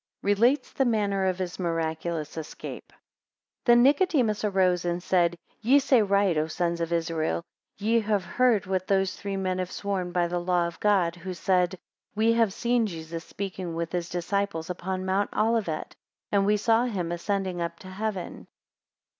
19 Relates the manner of his miraculous escape. THEN Nicodemus arose, and said, Ye say right, O sons of Israel; ye have heard what those three men have sworn by the Law of God, who said, We have seen Jesus speaking with his disciples upon mount Olivet, and we saw him ascending up to heaven.